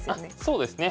そうですね。